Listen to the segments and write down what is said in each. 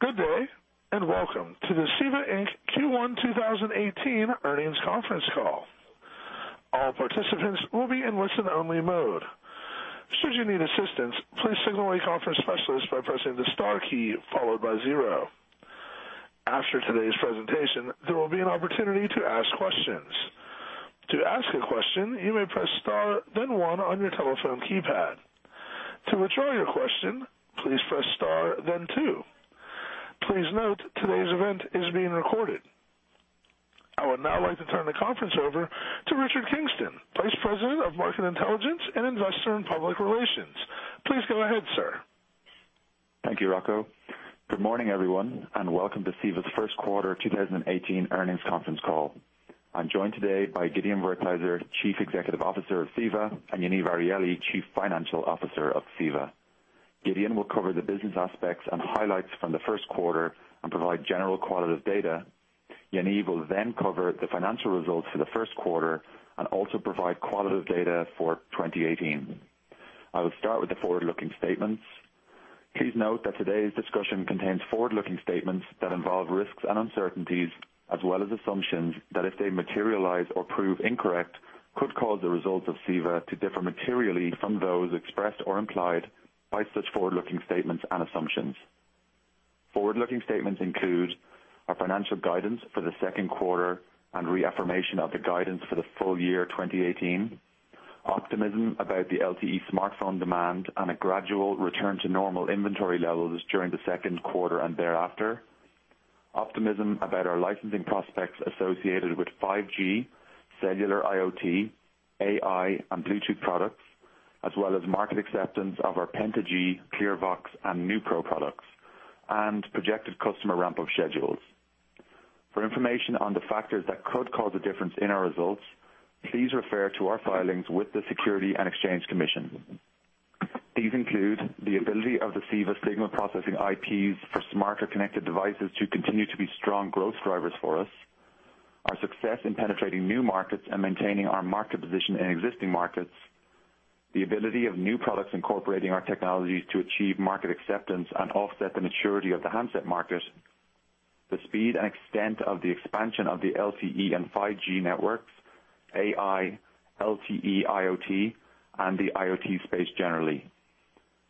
Good day, and welcome to the CEVA Inc. Q1 2018 earnings conference call. All participants will be in listen-only mode. Should you need assistance, please signal a conference specialist by pressing the star key followed by zero. After today's presentation, there will be an opportunity to ask questions. To ask a question, you may press star then one on your telephone keypad. To withdraw your question, please press star then two. Please note, today's event is being recorded. I would now like to turn the conference over to Richard Kingston, Vice President of Market Intelligence and Investor and Public Relations. Please go ahead, sir. Thank you, Rocco. Good morning, everyone, and welcome to CEVA's first quarter 2018 earnings conference call. I'm joined today by Gideon Wertheizer, Chief Executive Officer of CEVA, and Yaniv Arieli, Chief Financial Officer of CEVA. Gideon will cover the business aspects and highlights from the first quarter and provide general qualitative data. Yaniv will then cover the financial results for the first quarter and also provide qualitative data for 2018. I will start with the forward-looking statements. Please note that today's discussion contains forward-looking statements that involve risks and uncertainties, as well as assumptions that, if they materialize or prove incorrect, could cause the results of CEVA to differ materially from those expressed or implied by such forward-looking statements and assumptions. Forward-looking statements include our financial guidance for the second quarter and reaffirmation of the guidance for the full year 2018, optimism about the LTE smartphone demand, and a gradual return to normal inventory levels during the second quarter and thereafter. Optimism about our licensing prospects associated with 5G, cellular IoT, AI, and Bluetooth products, as well as market acceptance of our PentaG, ClearVox, and NeuPro products, and projected customer ramp-up schedules. For information on the factors that could cause a difference in our results, please refer to our filings with the Securities and Exchange Commission. These include the ability of the CEVA signal processing IPs for smarter connected devices to continue to be strong growth drivers for us, our success in penetrating new markets and maintaining our market position in existing markets, the ability of new products incorporating our technologies to achieve market acceptance and offset the maturity of the handset market, the speed and extent of the expansion of the LTE and 5G networks, AI, LTE IoT, and the IoT space generally.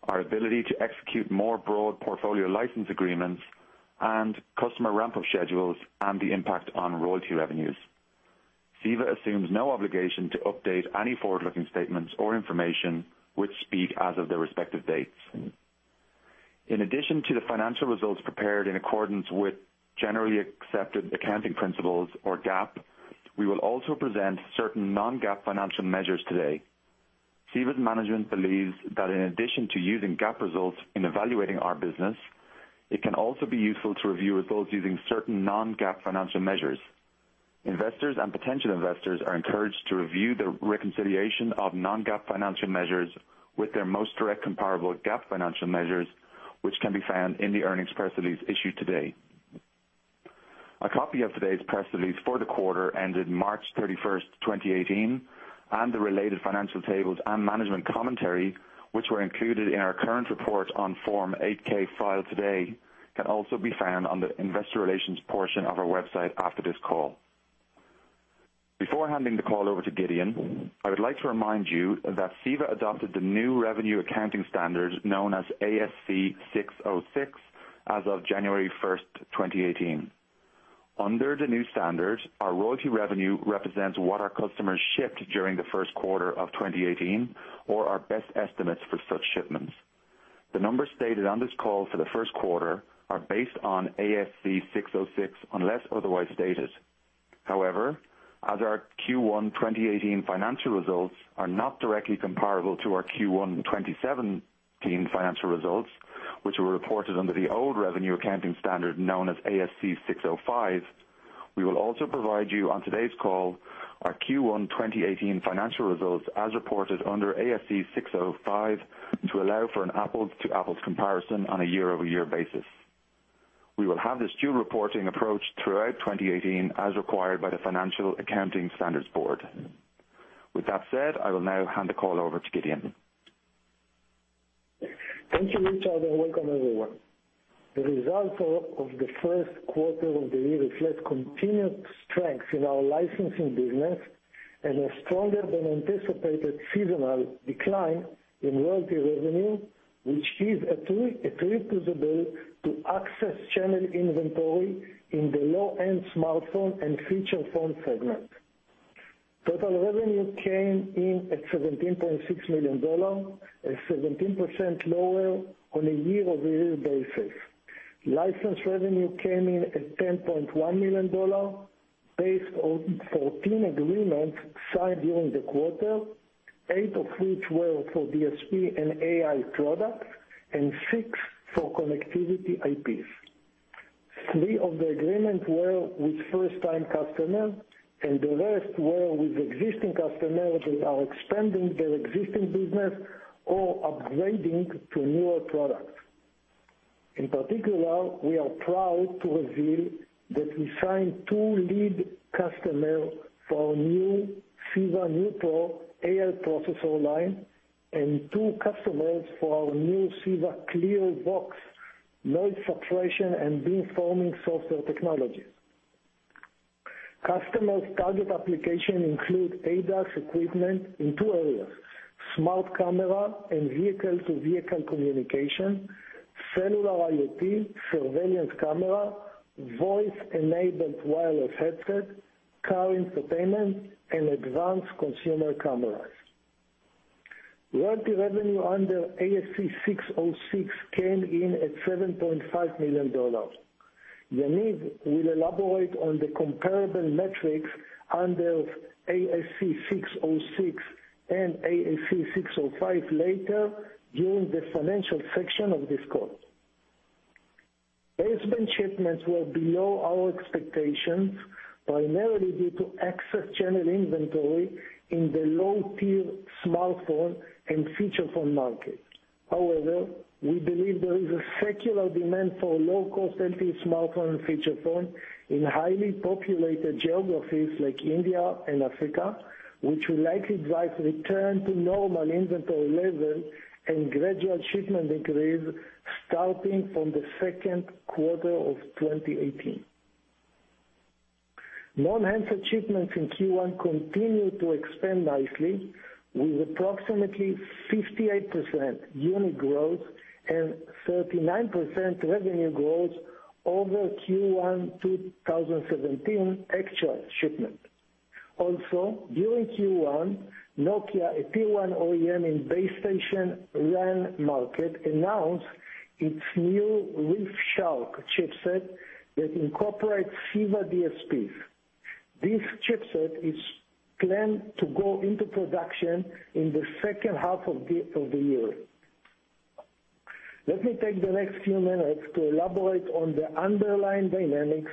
Our ability to execute more broad portfolio license agreements and customer ramp-up schedules and the impact on royalty revenues. CEVA assumes no obligation to update any forward-looking statements or information, which speak as of their respective dates. In addition to the financial results prepared in accordance with generally accepted accounting principles or GAAP, we will also present certain non-GAAP financial measures today. CEVA's management believes that in addition to using GAAP results in evaluating our business, it can also be useful to review results using certain non-GAAP financial measures. Investors and potential investors are encouraged to review the reconciliation of non-GAAP financial measures with their most direct comparable GAAP financial measures, which can be found in the earnings press release issued today. A copy of today's press release for the quarter ended March 31st, 2018, and the related financial tables and management commentary, which were included in our current report on Form 8-K filed today, can also be found on the investor relations portion of our website after this call. Before handing the call over to Gideon, I would like to remind you that CEVA adopted the new revenue accounting standard known as ASC 606 as of January 1st, 2018. Under the new standard, our royalty revenue represents what our customers shipped during the first quarter of 2018 or our best estimates for such shipments. The numbers stated on this call for the first quarter are based on ASC 606 unless otherwise stated. As our Q1 2018 financial results are not directly comparable to our Q1 2017 financial results, which were reported under the old revenue accounting standard known as ASC 605, we will also provide you on today's call our Q1 2018 financial results as reported under ASC 605 to allow for an apples to apples comparison on a year-over-year basis. We will have this dual reporting approach throughout 2018 as required by the Financial Accounting Standards Board. I will now hand the call over to Gideon. Thank you, Richard, welcome everyone. The results of the first quarter of the year reflect continued strength in our licensing business and a stronger than anticipated seasonal decline in royalty revenue, which is attributable to access channel inventory in the low-end smartphone and feature phone segment. Total revenue came in at $17.6 million, 17% lower on a year-over-year basis. License revenue came in at $10.1 million based on 14 agreements signed during the quarter, eight of which were for DSP and AI products and six for connectivity IPs. Three of the agreements were with first-time customers, and the rest were with existing customers that are expanding their existing business or upgrading to newer products. In particular, we are proud to reveal that we signed two lead customers for our new CEVA NeuPro AI processor line. Two customers for our new CEVA ClearVox noise suppression and beamforming software technology. Customers' target application include ADAS equipment in two areas: smart camera and vehicle-to-vehicle communication, cellular IoT, surveillance camera, voice-enabled wireless headset, car infotainment, and advanced consumer cameras. Royalty revenue under ASC 606 came in at $7.5 million. Yaniv will elaborate on the comparable metrics under ASC 606 and ASC 605 later during the financial section of this call. Baseband shipments were below our expectations, primarily due to excess general inventory in the low-tier smartphone and feature phone market. However, we believe there is a secular demand for low-cost LTE smartphone and feature phone in highly populated geographies like India and Africa, which will likely drive return to normal inventory levels and gradual shipment increase starting from the second quarter of 2018. Non-handset shipments in Q1 continued to expand nicely, with approximately 58% unit growth and 39% revenue growth over Q1 2017 actual shipment. Also, during Q1, Nokia, a tier 1 OEM in base station RAN market, announced its new ReefShark chipset that incorporates CEVA DSPs. This chipset is planned to go into production in the second half of the year. Let me take the next few minutes to elaborate on the underlying dynamics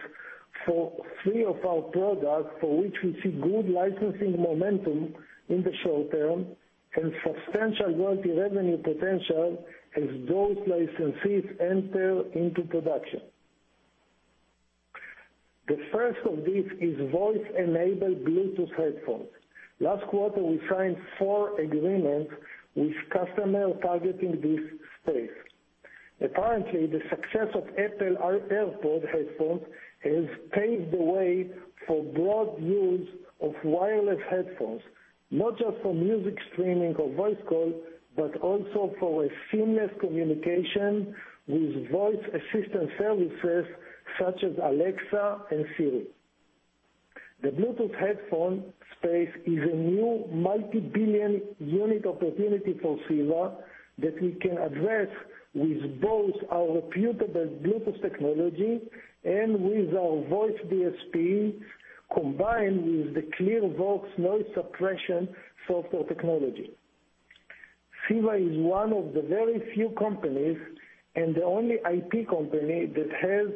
for three of our products, for which we see good licensing momentum in the short term and substantial royalty revenue potential as those licensees enter into production. The first of these is voice-enabled Bluetooth headphones. Last quarter, we signed four agreements with customers targeting this space. Apparently, the success of Apple AirPods headphones has paved the way for broad use of wireless headphones, not just for music streaming or voice call, but also for a seamless communication with voice assistant services such as Alexa and Siri. The Bluetooth headphone space is a new multi-billion-unit opportunity for CEVA that we can address with both our reputable Bluetooth technology and with our voice DSP, combined with the ClearVox noise suppression software technology. CEVA is one of the very few companies, and the only IP company, that has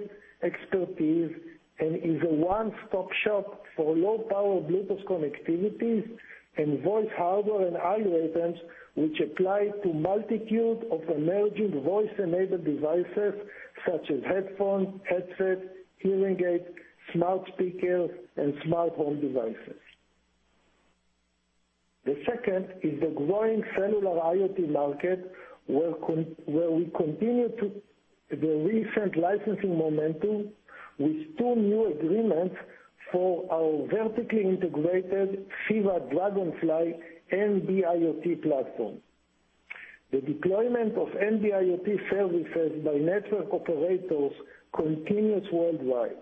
expertise and is a one-stop shop for low-power Bluetooth connectivity and voice hardware and algorithms, which apply to multitude of emerging voice-enabled devices such as headphones, headsets, hearing aids, smart speakers, and smart home devices. The second is the growing cellular IoT market, where we continue the recent licensing momentum with two new agreements for our vertically integrated CEVA Dragonfly and the IoT platform. The deployment of NB-IoT services by network operators continues worldwide.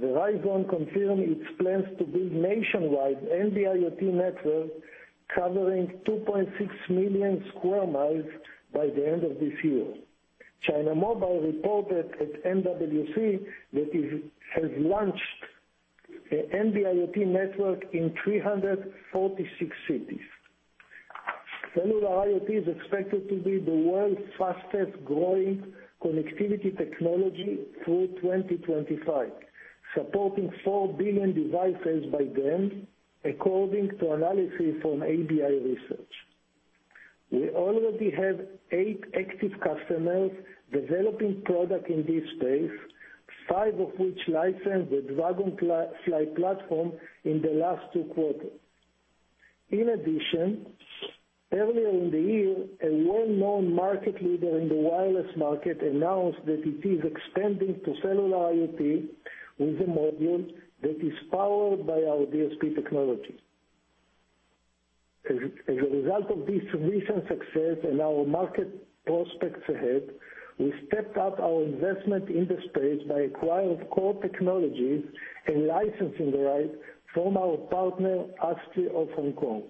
Verizon confirmed its plans to build nationwide NB-IoT network covering 2.6 million square miles by the end of this year. China Mobile reported at MWC that it has launched a NB-IoT network in 346 cities. Cellular IoT is expected to be the world's fastest-growing connectivity technology through 2025, supporting 4 billion devices by then, according to analysis from ABI Research. We already have eight active customers developing product in this space, five of which licensed the Dragonfly platform in the last two quarters. In addition, earlier in the year, a well-known market leader in the wireless market announced that it is expanding to cellular IoT with a module that is powered by our DSP technology. As a result of this recent success and our market prospects ahead, we stepped up our investment in the space by acquiring core technologies and licensing the right from our partner, ASTRI of Hong Kong.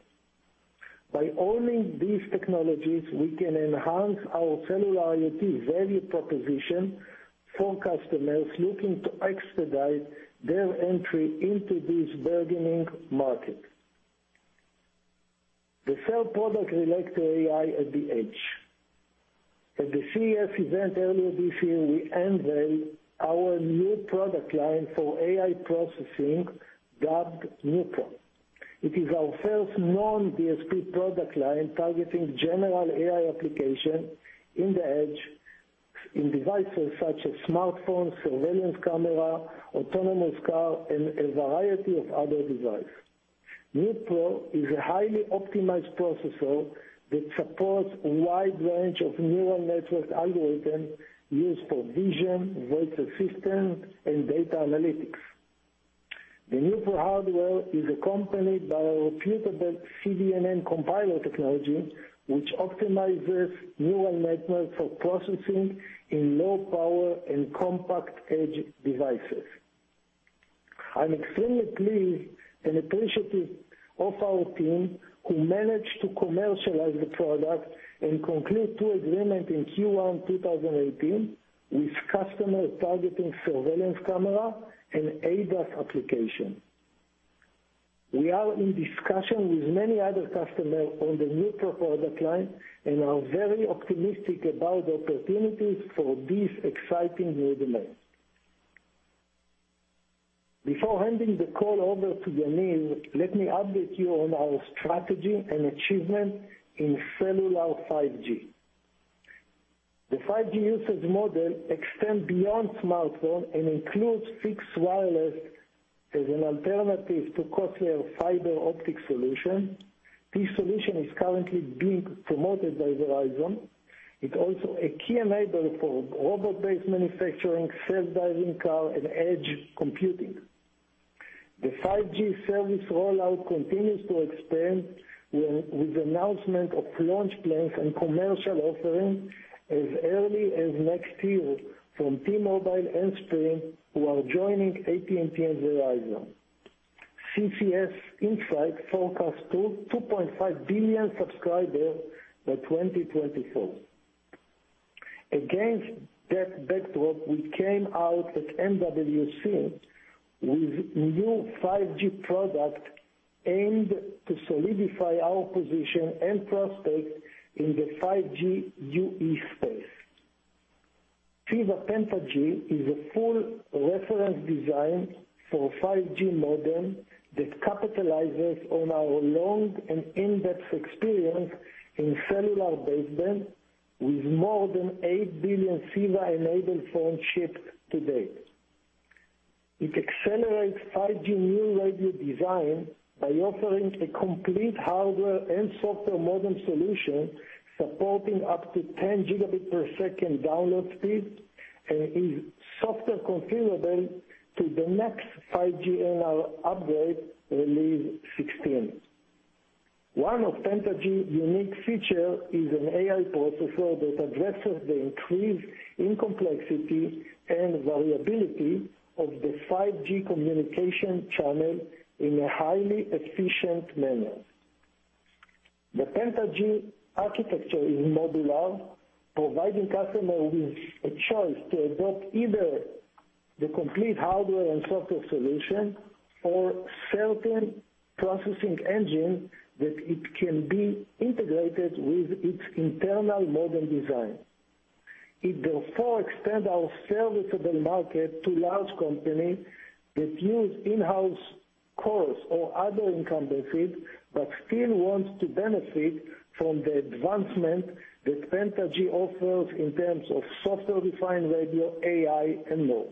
By owning these technologies, we can enhance our cellular IoT value proposition for customers looking to expedite their entry into this burgeoning market. The third product relates to AI at the edge. At the CES event earlier this year, we unveiled our new product line for AI processing dubbed NeuPro. It is our first non-DSP product line targeting general AI application in the edge. In devices such as smartphones, surveillance camera, autonomous car, and a variety of other device. NeuPro is a highly optimized processor that supports a wide range of neural network algorithms used for vision, voice assistant, and data analytics. The NeuPro hardware is accompanied by a reputable CDNN compiler technology, which optimizes neural networks for processing in low power and compact edge devices. I am extremely pleased and appreciative of our team who managed to commercialize the product and conclude two agreements in Q1 2018 with customers targeting surveillance camera and ADAS applications. We are in discussion with many other customers on the NeuPro product line and are very optimistic about the opportunities for this exciting new demand. Before handing the call over to Yaniv, let me update you on our strategy and achievement in cellular 5G. The 5G usage model extends beyond smartphones and includes fixed wireless as an alternative to costlier fiber optic solutions. This solution is currently being promoted by Verizon. It is also a key enabler for robot-based manufacturing, self-driving cars, and edge computing. The 5G service rollout continues to expand with announcements of launch plans and commercial offerings as early as next year from T-Mobile and Sprint, who are joining AT&T and Verizon. CCS Insight forecasts show 2.5 billion subscribers by 2024. Against that backdrop, we came out at MWC with new 5G products aimed to solidify our position and prospects in the 5G UE space. CEVA PentaG is a full reference design for 5G modem that capitalizes on our long and in-depth experience in cellular baseband with more than 8 billion CEVA-enabled phones shipped to date. It accelerates 5G new radio design by offering a complete hardware and software modem solution supporting up to 10 gigabit per second download speed and is software configurable to the next 5G NR upgrade Release 16. One of PentaG's unique features is an AI processor that addresses the increase in complexity and variability of the 5G communication channel in a highly efficient manner. The PentaG architecture is modular, providing customers with a choice to adopt either the complete hardware and software solution or certain processing engines that can be integrated with its internal modem design. It therefore extends our serviceable market to large companies that use in-house cores or other incumbent feed, but still want to benefit from the advancements that PentaG offers in terms of software-defined radio, AI, and more.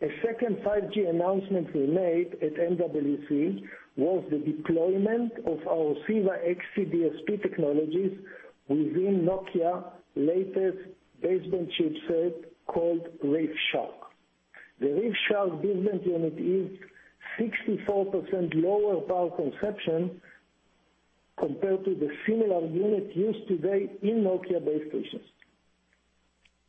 A second 5G announcement we made at MWC was the deployment of our CEVA-XC DSP technologies within Nokia's latest baseband chipset called ReefShark. The ReefShark baseband unit is 64% lower power consumption compared to the similar unit used today in Nokia base stations.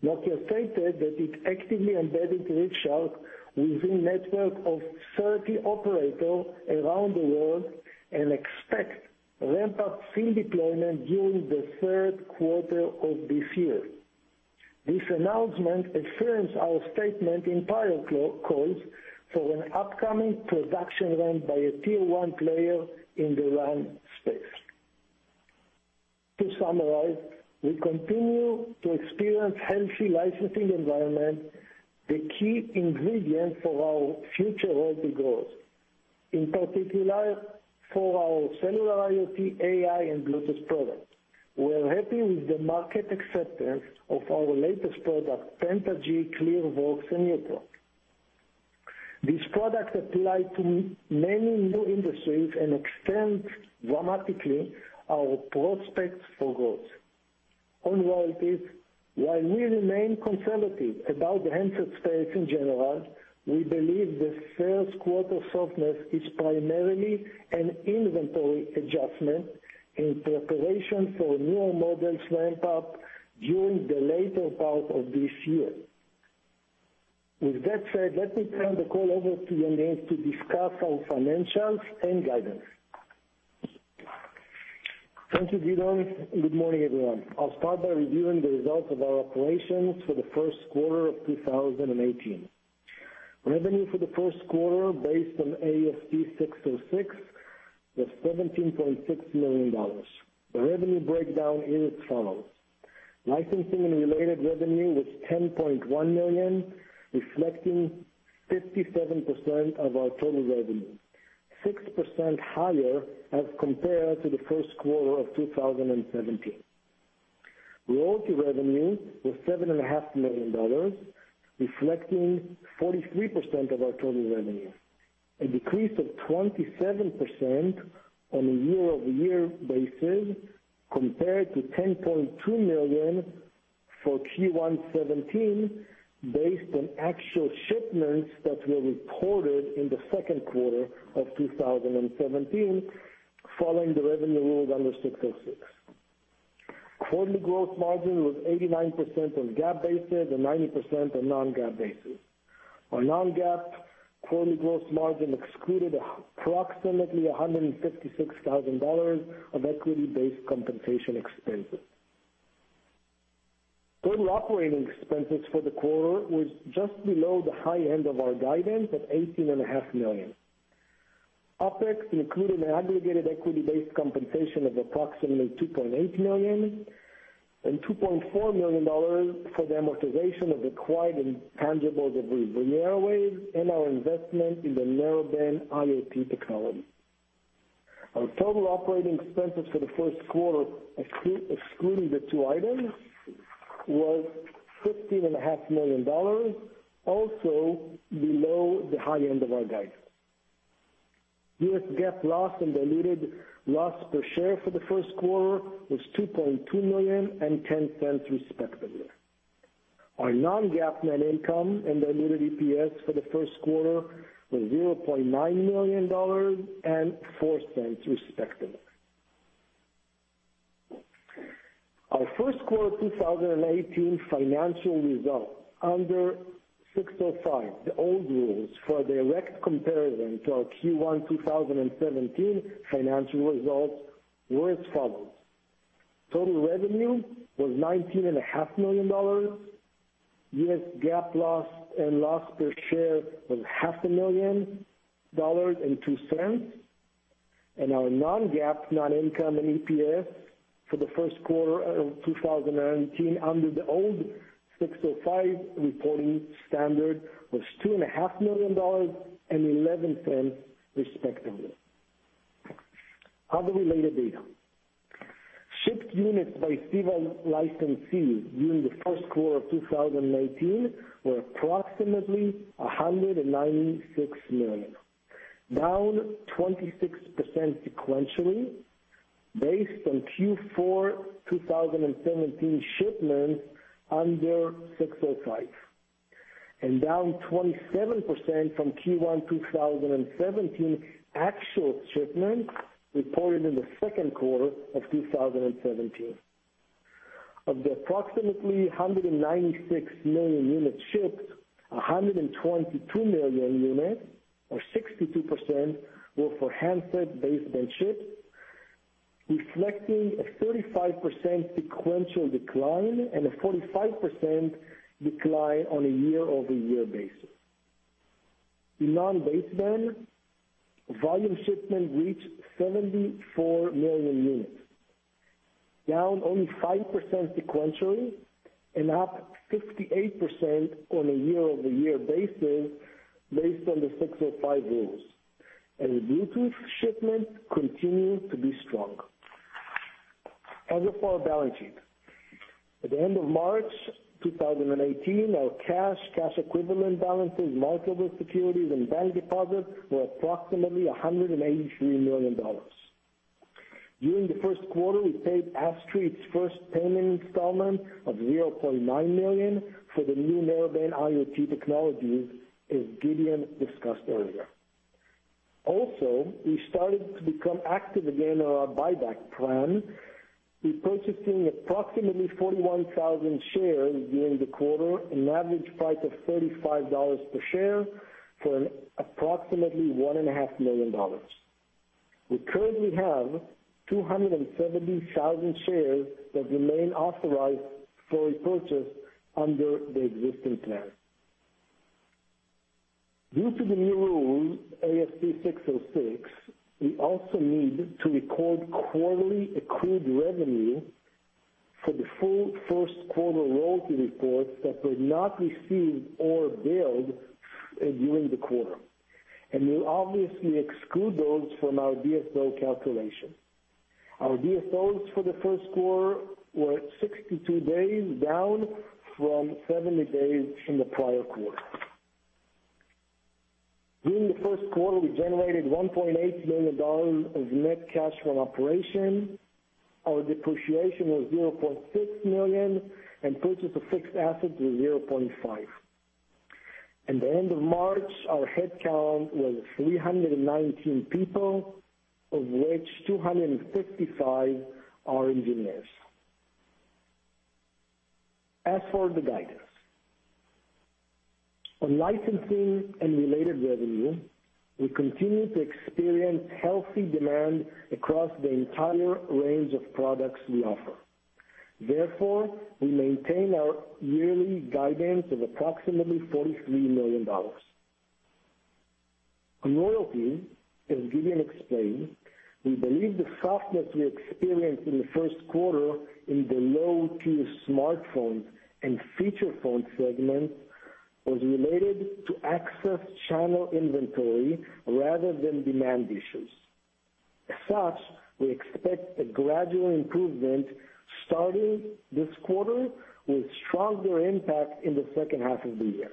Nokia stated that it actively embedded ReefShark within networks of 30 operators around the world and expects ramp-up field deployment during the third quarter of this year. This announcement affirms our statement in prior calls for an upcoming production run by a tier-1 player in the RAN space. To summarize, we continue to experience a healthy licensing environment, the key ingredient for our future royalty growth, in particular for our cellular IoT, AI, and Bluetooth products. We are happy with the market acceptance of our latest products, PentaG, ClearVox, and NeuPro. These products apply to many new industries and extend dramatically our prospects for growth. On royalties, while we remain conservative about the handset space in general, we believe the first quarter softness is primarily an inventory adjustment in preparation for newer models ramp-up during the later part of this year. With that said, let me turn the call over to Yaniv to discuss our financials and guidance. Thank you, Gideon. Good morning, everyone. I'll start by reviewing the results of our operations for the first quarter of 2018. Revenue for the first quarter, based on ASC 606, was $17.6 million. The revenue breakdown is as follows: Licensing and related revenue was $10.1 million, reflecting 57% of our total revenue, 6% higher as compared to the first quarter of 2017. Royalty revenue was $7.5 million, reflecting 43% of our total revenue, a decrease of 27% on a year-over-year basis compared to $10.2 million for Q1 2017, based on actual shipments that were reported in the second quarter of 2017 following the revenue rules under 606. Quarterly gross margin was 89% on GAAP basis and 90% on non-GAAP basis. Our non-GAAP quarterly gross margin excluded approximately $156,000 of equity-based compensation expenses. Total operating expenses for the quarter was just below the high end of our guidance at $18.5 million. OpEx included an aggregated equity-based compensation of approximately $2.8 million and $2.4 million for the amortization of acquired intangibles of RivieraWaves and our investment in the Narrowband IoT technology. Our total operating expenses for the first quarter, excluding the two items, was $15.5 million, also below the high end of our guidance. U.S. GAAP loss and diluted loss per share for the first quarter was $2.2 million and $0.10 respectively. Our non-GAAP net income and diluted EPS for the first quarter was $0.9 million and $0.04 respectively. Our first quarter 2018 financial results under 605, the old rules, for direct comparison to our Q1 2017 financial results, were as follows: Total revenue was $19.5 million, U.S. GAAP loss and loss per share was $0.5 million and $0.02, and our non-GAAP net income and EPS for the first quarter of 2018 under the old 605 reporting standard was $2.5 million and $0.11 respectively. Other related data. Shipped units by CEVA licensees during the first quarter of 2018 were approximately 196 million, down 26% sequentially based on Q4 2017 shipments under 605, and down 27% from Q1 2017 actual shipments reported in the second quarter of 2017. Of the approximately 196 million units shipped, 122 million units or 62% were for handset baseband shipped, reflecting a 35% sequential decline and a 45% decline on a year-over-year basis. In non-baseband, volume shipment reached 74 million units, down only 5% sequentially and up 58% on a year-over-year basis based on the ASC 605 rules. The Bluetooth shipments continued to be strong. As for our balance sheet, at the end of March 2018, our cash equivalent balances, marketable securities, and bank deposits were approximately $183 million. During the first quarter, we paid ASTRI its first payment installment of $0.9 million for the new Narrowband IoT technology, as Gideon discussed earlier. We started to become active again on our buyback plan. We purchased approximately 41,000 shares during the quarter, an average price of $35 per share for approximately $1.5 million. We currently have 270,000 shares that remain authorized for repurchase under the existing plan. Due to the new rule, ASC 606, we also need to record quarterly accrued revenue for the full first quarter royalty report that were not received or billed during the quarter, and we'll obviously exclude those from our DSO calculation. Our DSOs for the first quarter were 62 days, down from 70 days in the prior quarter. During the first quarter, we generated $1.8 million of net cash from operation. Our depreciation was $0.6 million and purchase of fixed assets was $0.5 million. At the end of March, our head count was 319 people, of which 255 are engineers. As for the guidance, on licensing and related revenue, we continue to experience healthy demand across the entire range of products we offer. Therefore, we maintain our yearly guidance of approximately $43 million. On royalty, as Gideon explained, we believe the softness we experienced in the first quarter in the low-tier smartphone and feature phone segments was related to access channel inventory rather than demand issues. As such, we expect a gradual improvement starting this quarter, with stronger impact in the second half of the year.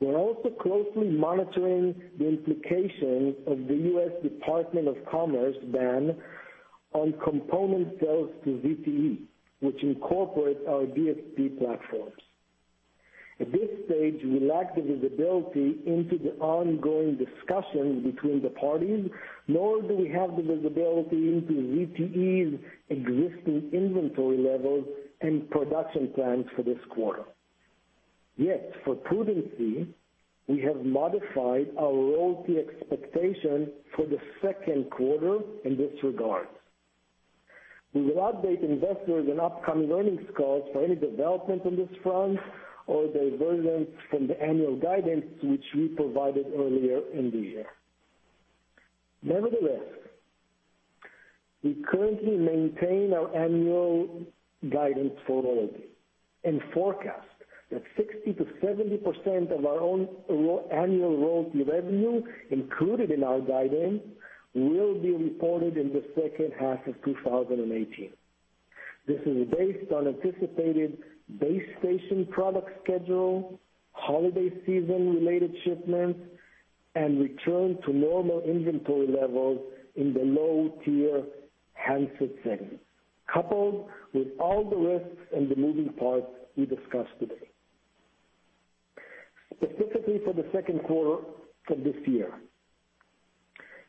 We're also closely monitoring the implications of the U.S. Department of Commerce ban on component sales to ZTE, which incorporates our DSP platforms. At this stage, we lack the visibility into the ongoing discussions between the parties, nor do we have the visibility into ZTE's existing inventory levels and production plans for this quarter. Yet, for prudency, we have modified our royalty expectation for the second quarter in this regard. We will update investors on upcoming earnings calls for any developments on this front or divergence from the annual guidance which we provided earlier in the year. Nevertheless, we currently maintain our annual guidance for royalty and forecast that 60%-70% of our annual royalty revenue included in our guidance will be reported in the second half of 2018. This is based on anticipated base station product schedule, holiday season-related shipments, and return to normal inventory levels in the low-tier handset segment, coupled with all the risks and the moving parts we discussed today. Specifically for the second quarter for this year,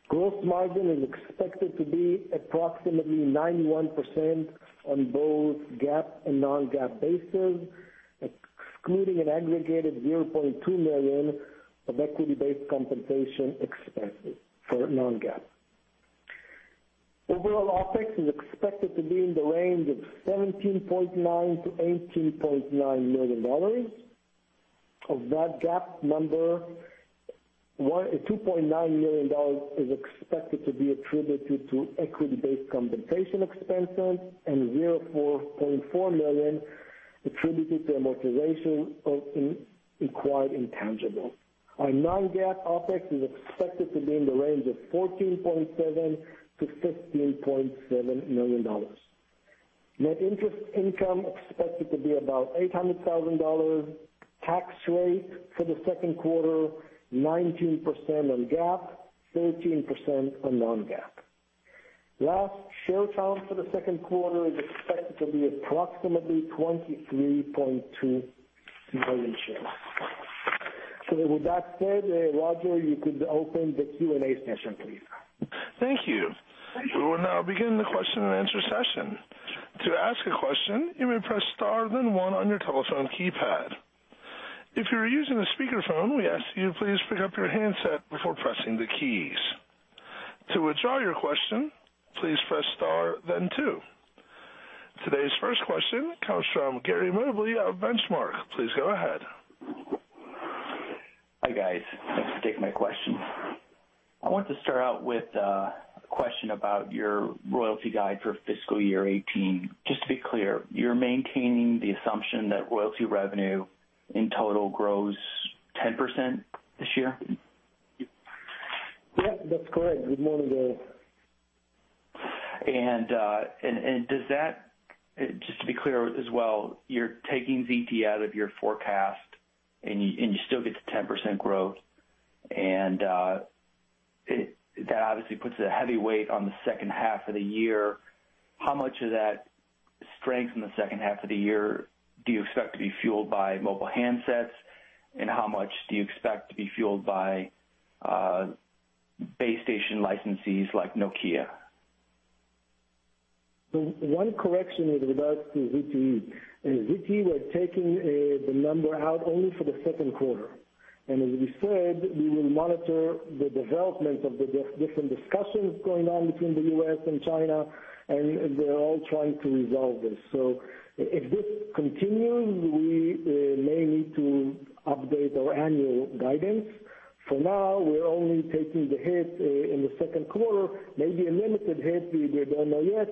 gross margin is expected to be approximately 91% on both GAAP and non-GAAP basis, excluding an aggregated $0.2 million of equity-based compensation expenses for non-GAAP. Overall, OpEx is expected to be in the range of $17.9 million-$18.9 million. Of that GAAP number, $2.9 million is expected to be attributed to equity-based compensation expenses and $0.4 million attributed to amortization of acquired intangibles. Our non-GAAP OpEx is expected to be in the range of $14.7 million to $15.7 million. Net interest income expected to be about $800,000. Tax rate for the second quarter, 19% on GAAP, 13% on non-GAAP. Share count for the second quarter is expected to be approximately 23.2 million shares. With that said, Rocco, you could open the Q&A session, please. Thank you. Thank you. We will now begin the question-and-answer session. To ask a question, you may press star then one on your telephone keypad. If you're using a speakerphone, we ask you please pick up your handset before pressing the keys. To withdraw your question, please press star then two. Today's first question comes from Gary Mobley of Benchmark. Please go ahead. Hi, guys. Thanks for taking my question. I want to start out with a question about your royalty guide for fiscal year 2018. Just to be clear, you're maintaining the assumption that royalty revenue in total grows 10% this year? Yep, that's correct. Good morning, Gary. Just to be clear as well, you're taking ZTE out of your forecast, and you still get the 10% growth, and that obviously puts a heavy weight on the second half of the year. How much of that strength in the second half of the year do you expect to be fueled by mobile handsets, and how much do you expect to be fueled by base station licensees like Nokia? One correction with regard to ZTE. ZTE, we're taking the number out only for the second quarter. As we said, we will monitor the development of the different discussions going on between the U.S. and China, and they're all trying to resolve this. If this continues, we may need to update our annual guidance. For now, we're only taking the hit in the second quarter, maybe a limited hit, we don't know yet,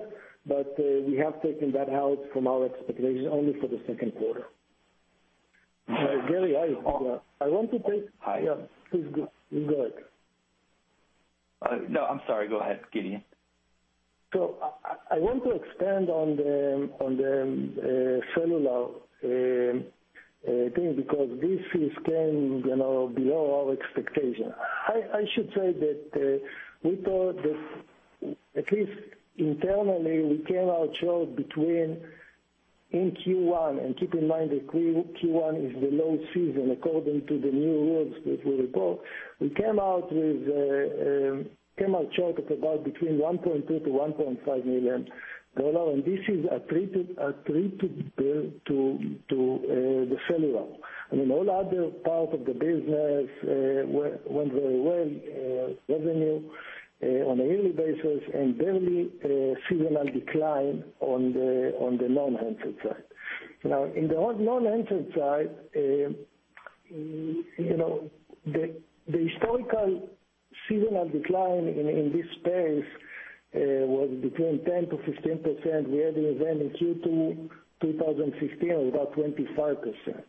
but we have taken that out from our expectations only for the second quarter. Gary. Hi. Yeah, please go ahead. No, I'm sorry. Go ahead, Gideon. I want to expand on the cellular thing because this came below our expectation. I should say that we thought that, at least internally, we came out short in Q1, and keep in mind that Q1 is the low season, according to the new rules that we report. We came out short of about between $1.2 million-$1.5 million, and this is attributed to the cellular. I mean, all other parts of the business went very well, revenue on a yearly basis, and barely a seasonal decline on the non-handset side. In the non-handset side The historical seasonal decline in this space was between 10%-15%. We had it then in Q2 2016, was about 25%.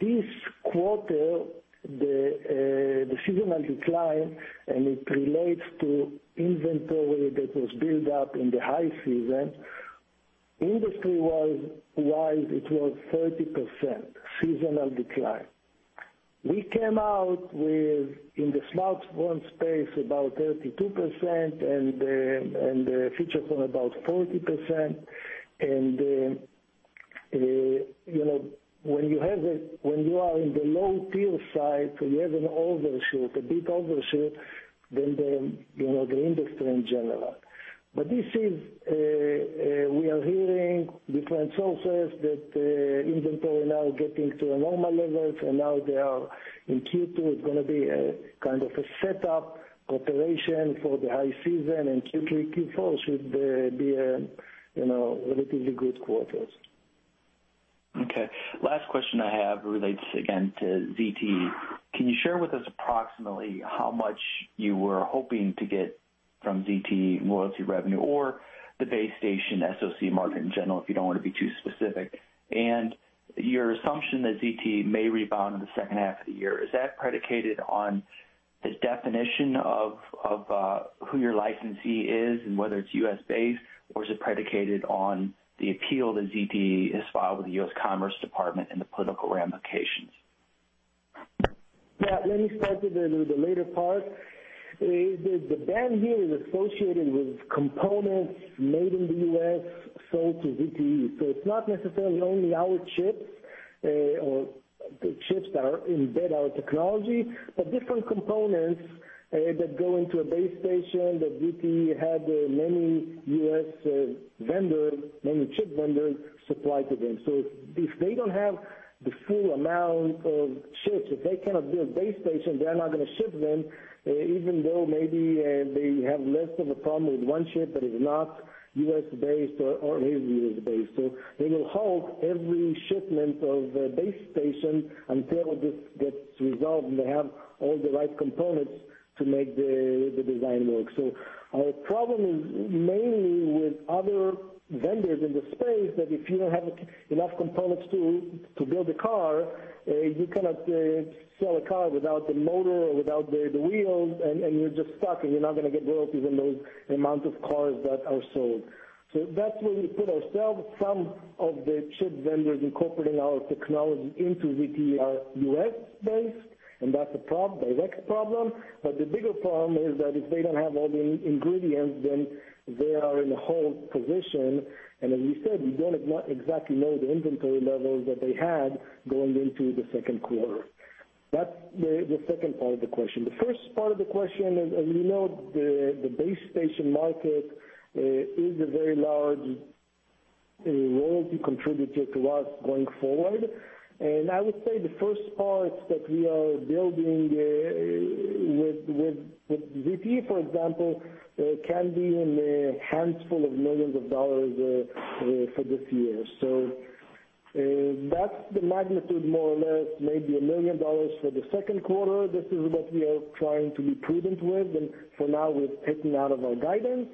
This quarter, the seasonal decline, and it relates to inventory that was built up in the high season, industry-wise, it was 30% seasonal decline. We came out with, in the smartphone space, about 32%, and the feature phone about 40%. When you are in the low tier side, you have an overshoot, a big overshoot than the industry in general. We are hearing different sources that inventory now getting to a normal level, so now they are in Q2, it's going to be a kind of a set up, preparation for the high season, and Q3, Q4 should be relatively good quarters. Last question I have relates again to ZTE. Can you share with us approximately how much you were hoping to get from ZTE in royalty revenue or the base station SoC market in general, if you don't want to be too specific? Your assumption that ZTE may rebound in the second half of the year, is that predicated on the definition of who your licensee is and whether it's U.S.-based, or is it predicated on the appeal that ZTE has filed with the U.S. Department of Commerce and the political ramifications? Yeah. Let me start with the later part. The ban here is associated with components made in the U.S. sold to ZTE. It's not necessarily only our chips, or the chips that are embed our technology, but different components that go into a base station that ZTE had many U.S. vendors, many chip vendors supply to them. If they don't have the full amount of chips, if they cannot build base stations, they are not going to ship them, even though maybe they have less of a problem with one chip that is not U.S.-based or is U.S.-based. They will halt every shipment of base station until this gets resolved, and they have all the right components to make the design work. Our problem is mainly with other vendors in the space, that if you don't have enough components to build a car, you cannot sell a car without the motor or without the wheels, and you're just stuck, and you're not going to get royalties on those amount of cars that are sold. That's where we put ourselves. Some of the chip vendors incorporating our technology into ZTE are U.S.-based, and that's a direct problem. The bigger problem is that if they don't have all the ingredients, then they are in a halt position. As we said, we don't exactly know the inventory levels that they had going into the second quarter. That's the second part of the question. The first part of the question is, as you know, the base station market is a very large royalty contributor to us going forward. I would say the first parts that we are building with ZTE, for example, can be in a handful of millions of dollars for this year. That's the magnitude, more or less, maybe $1 million for the second quarter. This is what we are trying to be prudent with, and for now, we've taken out of our guidance,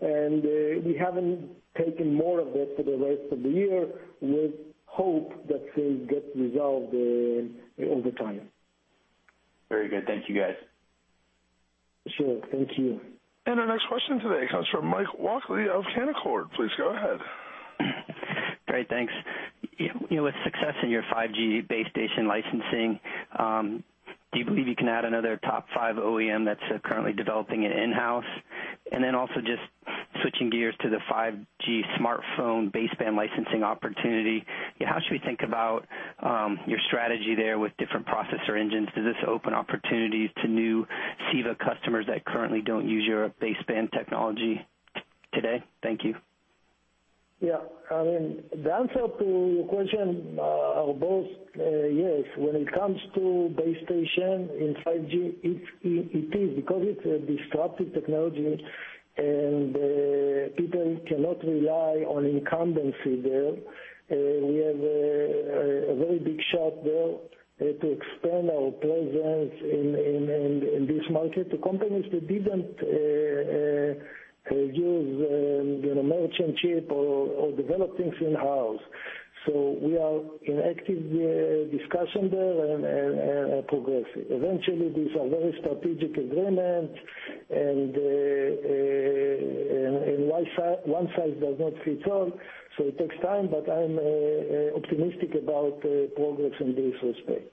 and we haven't taken more of it for the rest of the year with hope that this gets resolved over time. Very good. Thank you, guys. Sure. Thank you. Our next question today comes from Mike Walkley of Canaccord. Please go ahead. Great. Thanks. With success in your 5G base station licensing, do you believe you can add another top five OEM that's currently developing it in-house? Then also just switching gears to the 5G smartphone baseband licensing opportunity, how should we think about your strategy there with different processor engines? Does this open opportunities to new CEVA customers that currently don't use your baseband technology today? Thank you. Yeah. The answer to your question are both yes. When it comes to base station in 5G, it is because it's a disruptive technology, and people cannot rely on incumbency there. We have a very big shot there to expand our presence in this market to companies that didn't use merchant chip or develop things in-house. We are in active discussion there and progressing. Eventually, these are very strategic agreements, and one size does not fit all, so it takes time, but I'm optimistic about progress in this respect.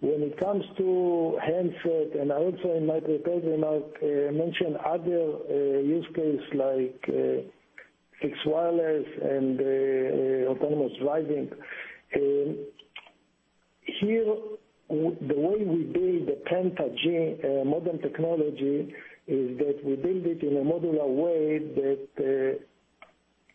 When it comes to handset, and also in my prepared remarks, I mentioned other use case like fixed wireless and autonomous driving. Here, the way we build the PentaG modem technology is that we build it in a modular way that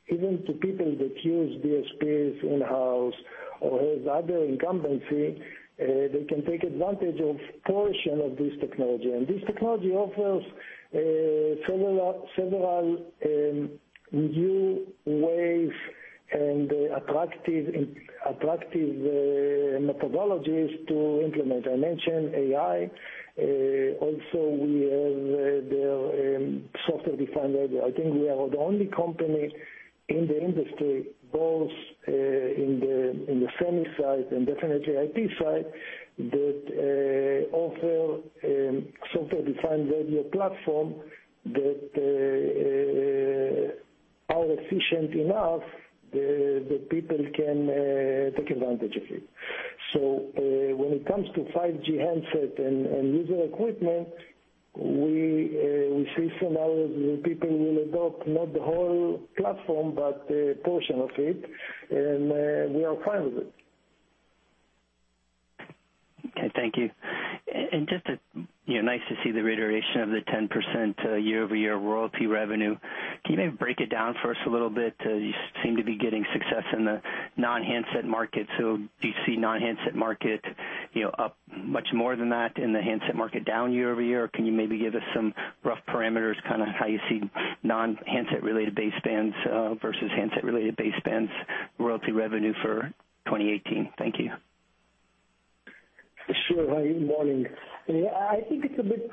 even to people that use DSPs in-house or has other incumbency, they can take advantage of portion of this technology. This technology offers several new ways and attractive methodologies to implement. I mentioned AI. Also, we have the software-defined radio. I think we are the only company in the industry, both in the semi side and definitely IP side, that offer software-defined radio platform that are efficient enough that people can take advantage of it. When it comes to 5G handsets and user equipment, we see some people will adopt not the whole platform, but a portion of it, and we are fine with it. Okay. Thank you. Just nice to see the reiteration of the 10% year-over-year royalty revenue. Can you maybe break it down for us a little bit? You seem to be getting success in the non-handset market. Do you see non-handset market up much more than that in the handset market down year-over-year? Can you maybe give us some rough parameters, how you see non-handset related basebands versus handset related basebands royalty revenue for 2018? Thank you. Sure. Morning. I think it's a bit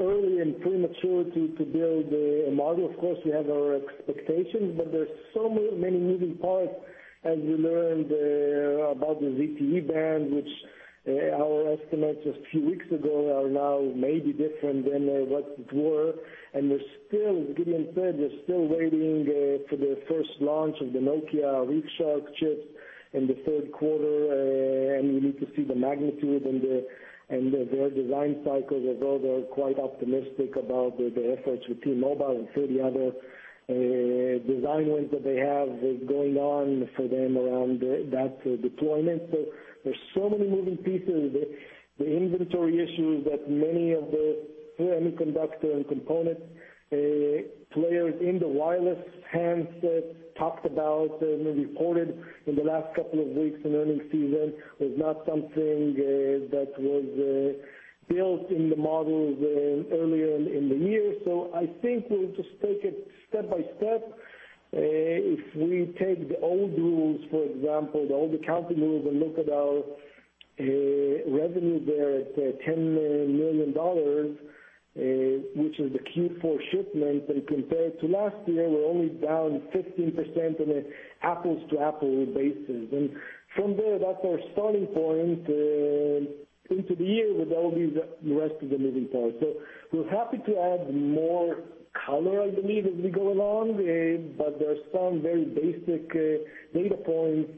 early and premature to build a model. Of course, we have our expectations, but there's so many moving parts as we learned about the ZTE ban, which our estimates a few weeks ago are now maybe different than what they were. As Gideon said, we're still waiting for the first launch of the Nokia ReefShark chips in the third quarter, and we need to see the magnitude and their design cycles, although they're quite optimistic about the efforts with T-Mobile and 30 other design wins that they have going on for them around that deployment. There's so many moving pieces. The inventory issues that many of the semiconductor and component players in the wireless handset talked about and reported in the last couple of weeks in earnings season was not something that was built in the models earlier in the year. I think we'll just take it step by step. If we take the old rules, for example, the old accounting rules, and look at our revenue there at $10 million, which is the Q4 shipment, and compare it to last year, we're only down 15% on an apples-to-apples basis. From there, that's our starting point into the year with all these, the rest of the moving parts. We're happy to add more color as we need, as we go along, but there are some very basic data points,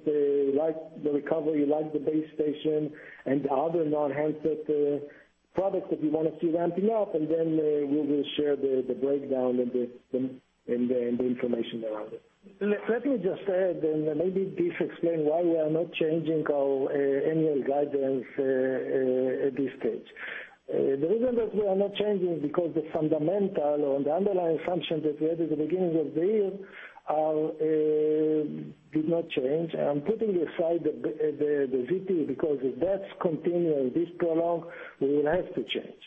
like the recovery, like the base station, and other non-handset products that we want to see ramping up. We will share the breakdown and the information around it. Let me just add, maybe this explain why we are not changing our annual guidance at this stage. The reason that we are not changing is because the fundamental or the underlying assumptions that we had at the beginning of the year did not change. I'm putting aside the ZTE, because if that's continuing this prolong, we will have to change.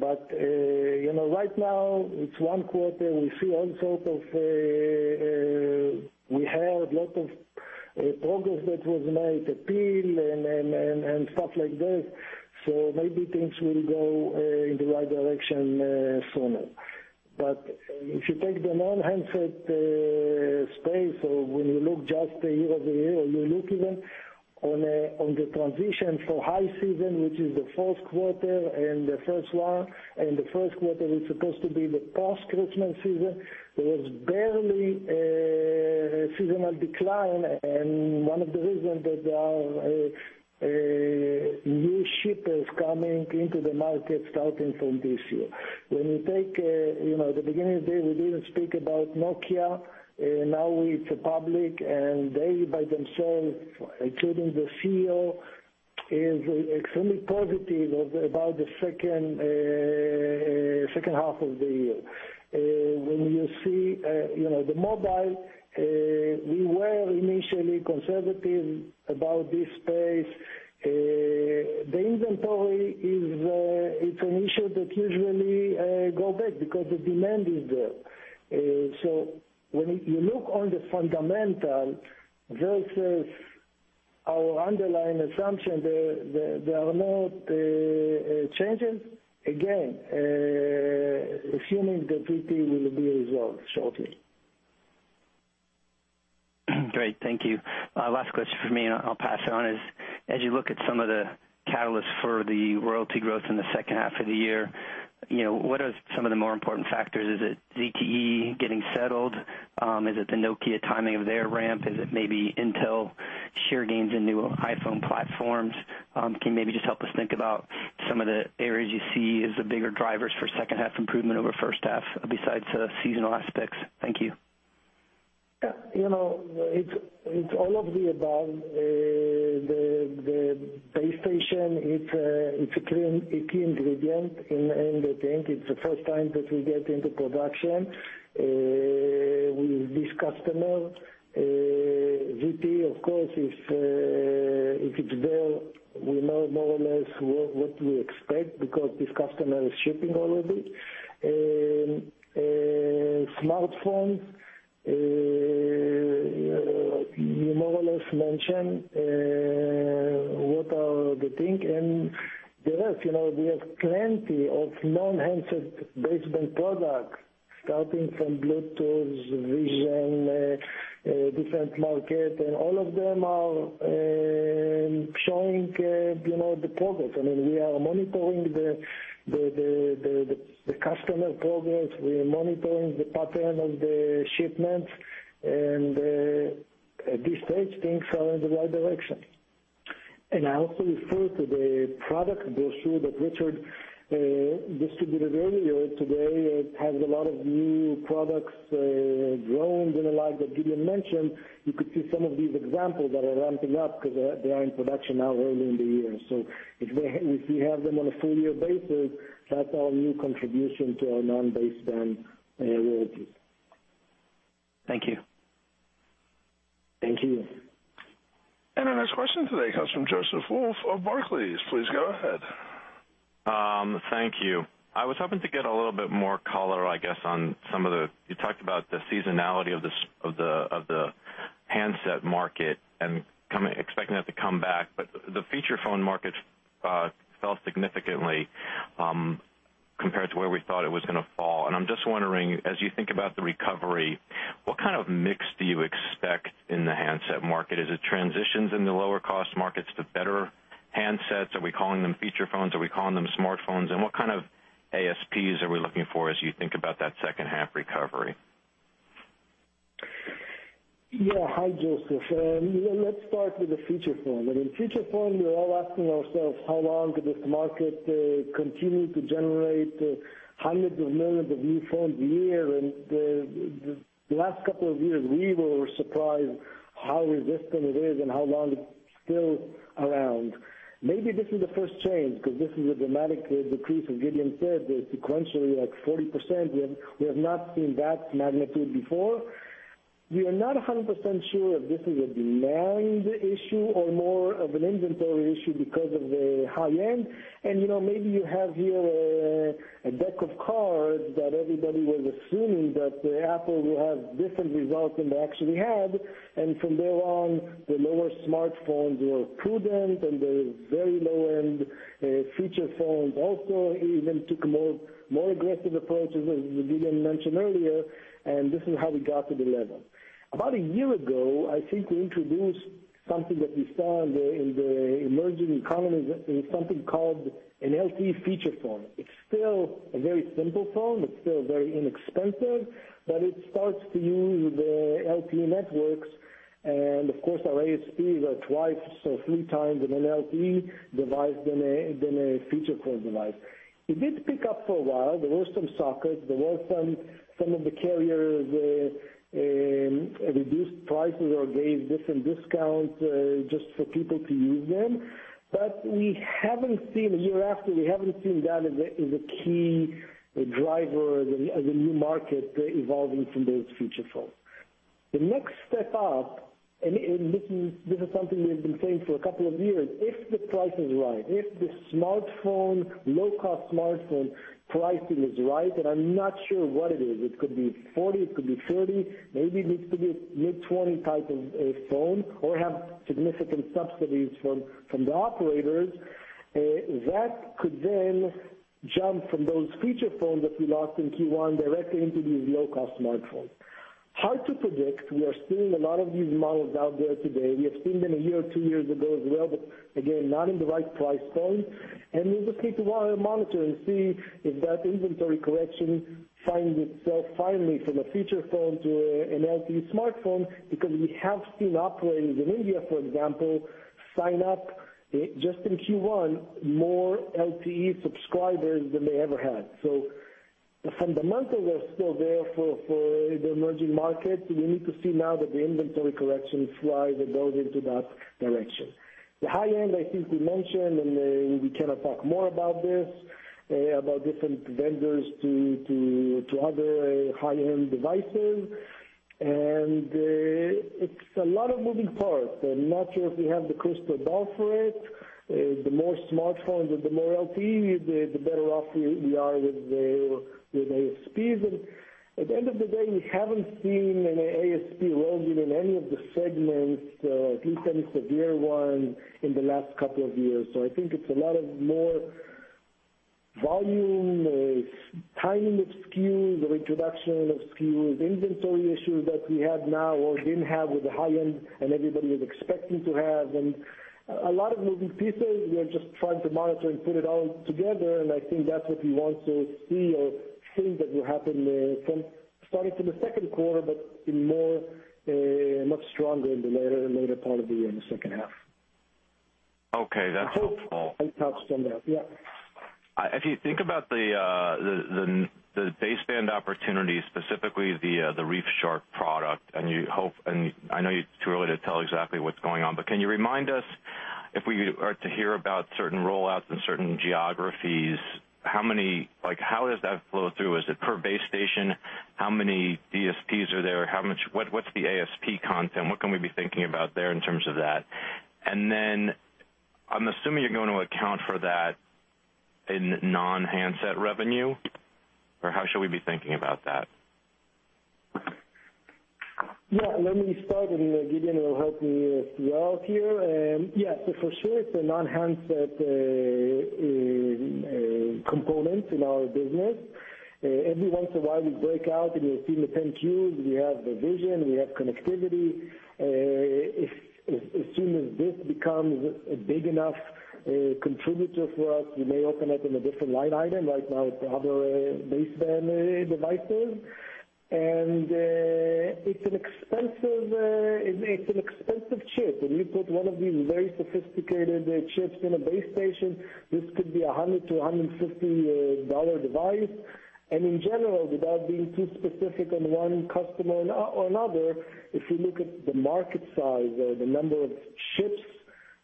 Right now, it's one quarter. We see all sort of, we heard lot of progress that was made, appeal and stuff like this. Maybe things will go in the right direction sooner. If you take the non-handset space, when you look just year-over-year, or you look even on the transition for high season, which is the fourth quarter and the first one, and the first quarter is supposed to be the post-Christmas season. There was barely a seasonal decline, one of the reasons that our new shippers coming into the market starting from this year. The beginning of the year, we didn't speak about Nokia. Now it's public, they by themselves, including the CEO, is extremely positive about the second half of the year. We were initially conservative about this space. The inventory, it's an issue that usually go back because the demand is there. When you look on the fundamental versus our underlying assumption, there are no changes. Again, assuming that ZTE will be resolved shortly. Great. Thank you. Last question from me, I'll pass on, is as you look at some of the catalysts for the royalty growth in the second half of the year, what are some of the more important factors? Is it ZTE getting settled? Is it the Nokia timing of their ramp? Is it maybe Intel share gains in new iPhone platforms? Can you maybe just help us think about some of the areas you see as the bigger drivers for second half improvement over first half, besides seasonal aspects? Thank you. It's all of the above. The base station, it's a key ingredient, and I think it's the first time that we get into production with this customer. ZTE, of course, If it's there, we know more or less what we expect because this customer is shipping already. Smartphones, you more or less mentioned what are the things, and the rest. We have plenty of non-handset baseband products starting from Bluetooth, vision, different market, and all of them are showing the progress. We are monitoring the customer progress. We are monitoring the pattern of the shipments, and at this stage, things are in the right direction. I also refer to the product brochure that Richard distributed earlier today. It has a lot of new products, drones, and the like that Gideon mentioned. You could see some of these examples that are ramping up because they are in production now early in the year. If we have them on a full year basis, that's our new contribution to our non-baseband royalties. Thank you. Thank you. Our next question today comes from Joseph Wolf of Barclays. Please go ahead. Thank you. I was hoping to get a little bit more color, I guess, on the seasonality of the handset market and expecting that to come back. The feature phone market fell significantly, compared to where we thought it was going to fall, and I'm just wondering, as you think about the recovery, what kind of mix do you expect in the handset market? As it transitions in the lower cost markets to better handsets, are we calling them feature phones? Are we calling them smartphones? What kind of ASPs are we looking for as you think about that second half recovery? Yeah. Hi, Joseph. Let's start with the feature phone. In feature phone, we're all asking ourselves, how long could this market continue to generate hundreds of millions of new phones a year? The last couple of years, we were surprised how resistant it is and how long it's still around. Maybe this is the first change, because this is a dramatic decrease, as Gideon said, sequentially, like 40%. We have not seen that magnitude before. We are not 100% sure if this is a demand issue or more of an inventory issue because of the high end. Maybe you have here a deck of cards that everybody was assuming that Apple will have different results than they actually had. From there on, the lower smartphones were prudent, and the very low-end feature phones also even took a more aggressive approach, as Gideon mentioned earlier, and this is how we got to the level. About a year ago, I think we introduced something that we saw in the emerging economies, something called an LTE feature phone. It's still a very simple phone. It's still very inexpensive, but it starts to use the LTE networks, and of course, our ASPs are twice or three times an LTE device than a feature phone device. It did pick up for a while. There were some sockets. There were some of the carriers reduced prices or gave different discounts, just for people to use them. A year after, we haven't seen that as a key driver, as a new market evolving from those feature phones. The next step up, this is something we've been saying for a couple of years, if the price is right, if the low-cost smartphone pricing is right, I'm not sure what it is. It could be $40, it could be $30, maybe it needs to be mid-20 type of phone or have significant subsidies from the operators. That could then jump from those feature phones that we lost in Q1 directly into these low-cost smartphones. Hard to predict. We are seeing a lot of these models out there today. We have seen them a year, two years ago as well, but again, not in the right price point. We just need to monitor and see if that inventory correction finds itself finally from a feature phone to an LTE smartphone, because we have seen operators in India, for example, sign up, just in Q1, more LTE subscribers than they ever had. The fundamentals are still there for the emerging markets. We need to see now that the inventory correction drives those into that direction. The high end, I think we mentioned, we cannot talk more about this, about different vendors to other high-end devices. It's a lot of moving parts. I'm not sure if we have the crystal ball for it. The more smartphones and the more LTE, the better off we are with ASPs. At the end of the day, we haven't seen an ASP erosion in any of the segments, at least any severe one, in the last couple of years. I think it's a lot of more volume, timing of SKUs, or introduction of SKUs, inventory issues that we have now or didn't have with the high end, everybody was expecting to have, a lot of moving pieces. We are just trying to monitor and put it all together, I think that's what we want to see or things that will happen, starting from the second quarter, but much stronger in the later part of the year, in the second half. Okay. That's helpful. I touched on that. Yeah. If you think about the baseband opportunity, specifically the ReefShark product, I know it's too early to tell exactly what's going on, but can you remind us if we are to hear about certain roll-outs in certain geographies? How does that flow through? Is it per base station? How many DSPs are there? What's the ASP content? What can we be thinking about there in terms of that? Then I'm assuming you're going to account for that in non-handset revenue. How should we be thinking about that? Yeah, let me start, Gideon will help me throughout here. Yeah. For sure, it's a non-handset component in our business. Every once in a while, we break out and we've seen the 10-Qs. We have the vision, we have connectivity. As soon as this becomes a big enough contributor for us, we may open up in a different line item. Right now, it's other baseband devices. It's an expensive chip. When you put one of these very sophisticated chips in a base station, this could be a $100-$150 device. In general, without being too specific on one customer or another, if you look at the market size or the number of chips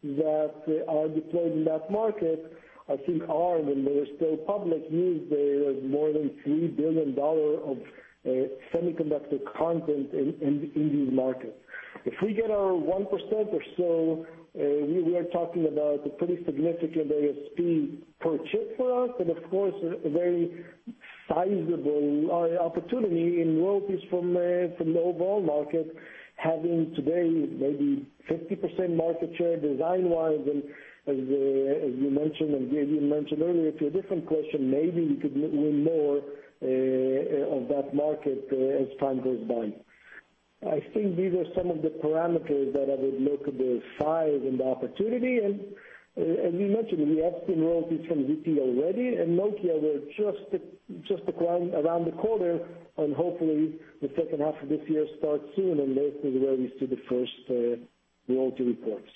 that are deployed in that market, I think [Arm], and they are still public, news, there is more than $3 billion of semiconductor content in these markets. If we get our 1% or so, we are talking about a pretty significant ASP per chip for us, of course, a very sizable opportunity in royalties from the overall market having today maybe 50% market share design-wise. As you mentioned, Gideon mentioned earlier to a different question, maybe we could win more of that market as time goes by. I think these are some of the parameters that I would look at the size and the opportunity. As we mentioned, we have some royalties from VP already, Nokia, we're just around the corner, hopefully the second half of this year starts soon, hopefully where we see the first royalty reports.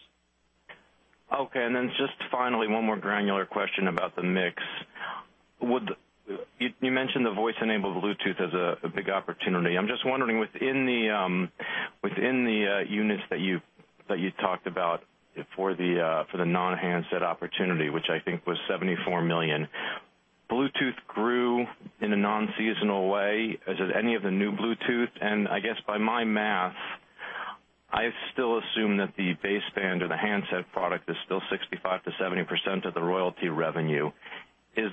Okay. Just finally, one more granular question about the mix. You mentioned the voice-enabled Bluetooth as a big opportunity. I am just wondering within the units that you talked about for the non-handset opportunity, which I think was 74 million. Bluetooth grew in a non-seasonal way. Is it any of the new Bluetooth? I guess by my math, I still assume that the baseband or the handset product is still 65%-70% of the royalty revenue. If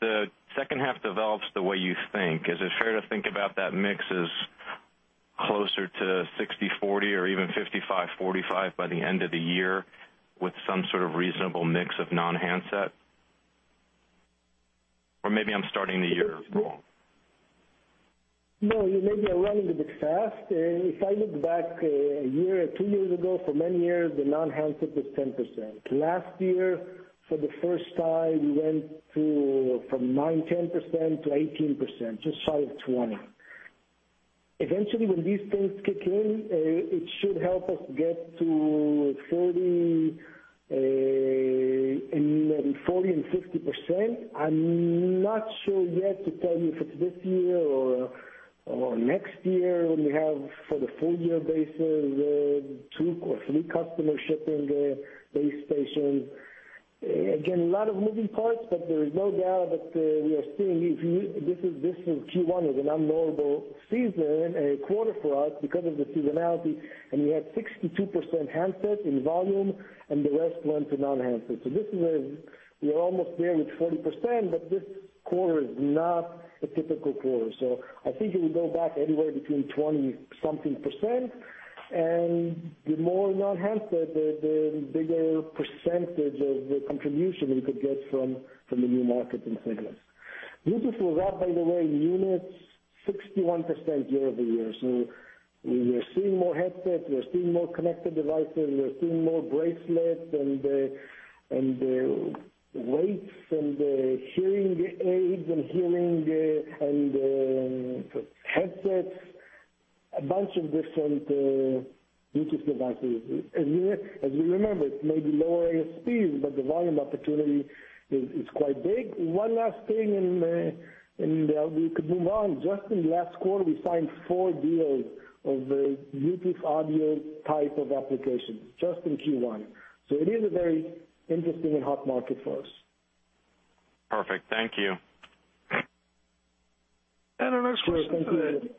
the second half develops the way you think, is it fair to think about that mix as closer to 60-40 or even 55-45 by the end of the year with some sort of reasonable mix of non-handset? Or maybe I am starting the year wrong. No, you maybe are running a bit fast. If I look back a year or two years ago, for many years, the non-handset was 10%. Last year, for the first time, we went from 9%, 10% to 18%, just shy of 20. Eventually, when these things kick in, it should help us get to 40% and 60%. I am not sure yet to tell you if it is this year or next year when we have for the full year basis, two or three customers shipping base station. Again, a lot of moving parts, but there is no doubt that we are seeing this. Q1 is an unknowable season, a quarter for us because of the seasonality, and we had 62% handset in volume, and the rest went to non-handset. We are almost there with 40%, but this quarter is not a typical quarter. I think it will go back anywhere between 20-something percent. The more non-handset, the bigger percentage of the contribution we could get from the new market in segments. Bluetooth was up, by the way, units, 61% year-over-year. We are seeing more headsets, we are seeing more connected devices, we are seeing more bracelets and weights and hearing aids and headsets, a bunch of different Bluetooth devices. As you remember, it is maybe lower ASPs, but the volume opportunity is quite big. One last thing, and we could move on. Just in last quarter, we signed four deals of the Bluetooth audio type of applications, just in Q1. It is a very interesting and hot market for us. Perfect. Thank you. Our next question. Sure. Thank you.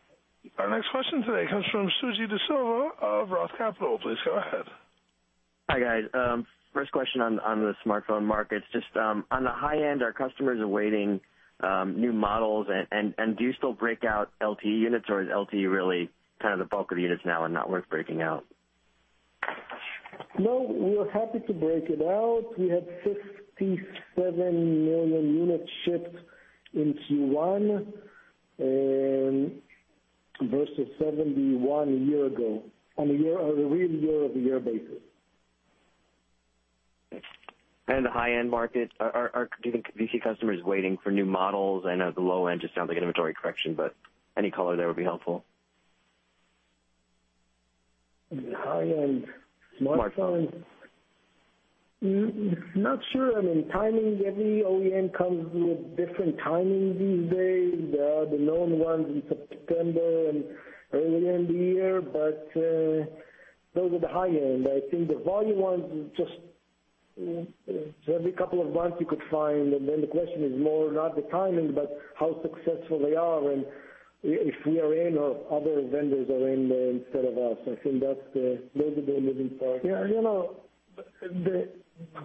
Our next question today comes from Suji Desilva of Roth Capital. Please go ahead. Hi, guys. First question on the smartphone markets. Just on the high end, are customers awaiting new models, and do you still break out LTE units, or is LTE really kind of the bulk of the units now and not worth breaking out? No, we are happy to break it out. We had 57 million units shipped in Q1 versus 71 a year ago, on a real year-over-year basis. The high-end markets, do you think we see customers waiting for new models? I know the low end just sounds like inventory correction, but any color there would be helpful. The high-end. Market. Smartphone. Not sure. I mean, timing, every OEM comes with different timing these days. The known ones in September and early in the year. Those are the high end. I think the volume ones, just every couple of months you could find. The question is more not the timing, but how successful they are and if we are in or if other vendors are in there instead of us. I think those are the moving parts. Yeah.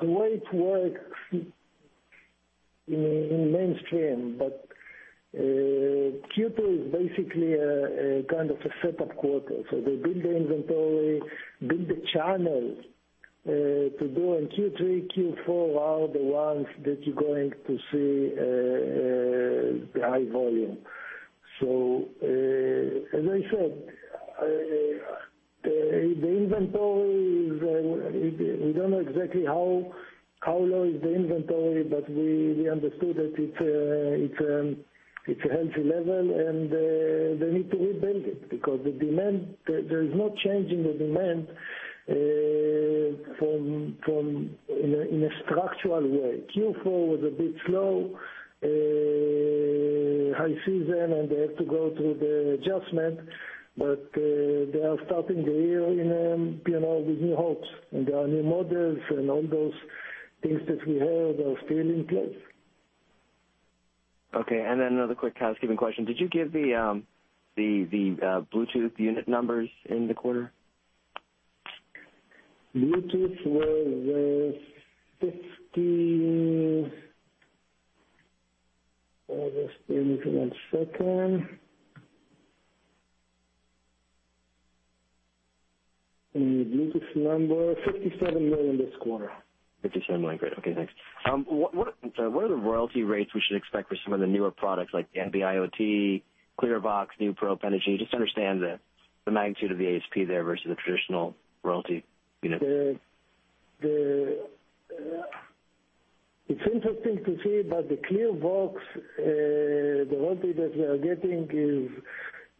The way it works in mainstream, Q2 is basically a kind of a setup quarter. They build the inventory, build the channel to go in Q3, Q4 are the ones that you're going to see the high volume. As I said, the inventory, we don't know exactly how low is the inventory, but we understood that it's a healthy level, and they need to rebuild it, because there is no change in the demand, in a structural way. Q4 was a bit slow, high season, and they have to go through the adjustment. They are starting the year with new hopes, and there are new models, and all those things that we have are still in place. Okay, another quick housekeeping question. Did you give the Bluetooth unit numbers in the quarter? Bluetooth was 50. Just give me one second. The Bluetooth number, 57 million this quarter. $57 million. Great. Okay, thanks. What are the royalty rates we should expect for some of the newer products like the NB-IoT, ClearVox, NeuPro, Energy? Just understand the magnitude of the ASP there versus the traditional royalty unit. It's interesting to see, the ClearVox, the royalty that we are getting is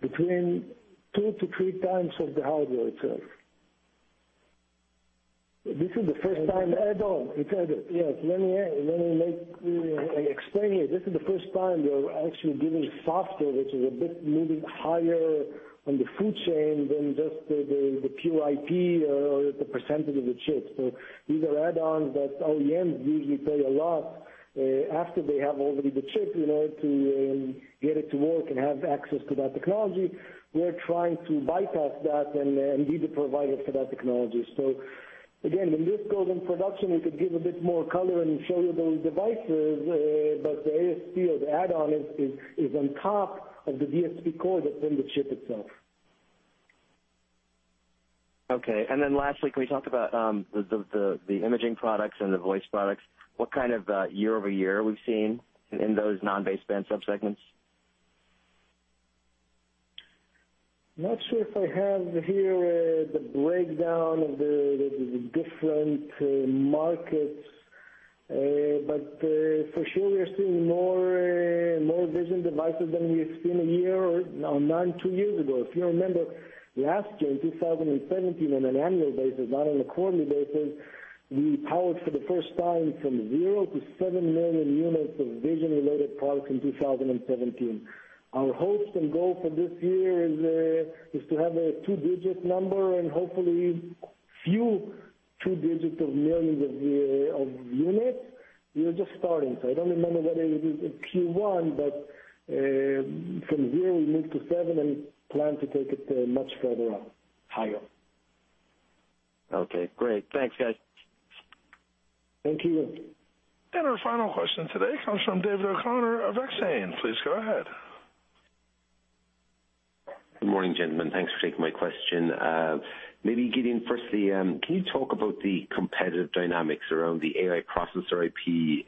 between two to three times of the hardware itself. This is the first time- Add-on. It's add-on. Yes. Let me explain it. This is the first time we're actually giving software, which is a bit moving higher on the food chain than just the pure IP or the percentage of the chip. These are add-ons that OEMs usually pay a lot, after they have already the chip, in order to get it to work and have access to that technology. We're trying to bypass that and be the provider for that technology. Again, when this goes in production, we could give a bit more color and show you those devices. The ASP of the add-on is on top of the DSP core that's in the chip itself. Then lastly, can we talk about the imaging products and the voice products? What kind of year-over-year we've seen in those non-baseband sub-segments? I'm not sure if I have here the breakdown of the different markets. For sure, we are seeing more vision devices than we've seen a year or two years ago. If you remember last year, in 2017, on an annual basis, not on a quarterly basis, we powered for the first time from zero to seven million units of vision-related products in 2017. Our hopes and goal for this year is to have a 2-digit number and hopefully few 2 digits of millions of units. We are just starting. I don't remember whether it is in Q1, but from zero, we moved to seven and plan to take it much further up higher. Okay, great. Thanks, guys. Thank you. Our final question today comes from David O'Connor of Exane. Please go ahead. Good morning, gentlemen. Thanks for taking my question. Maybe, Gideon, firstly, can you talk about the competitive dynamics around the AI processor IP